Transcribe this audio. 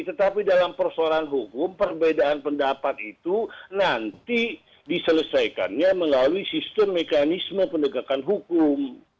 tetapi dalam persoalan hukum perbedaan pendapat itu nanti diselesaikannya melalui sistem mekanisme pendegakan hukum